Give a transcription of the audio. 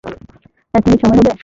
এক মিনিট সময় হবে?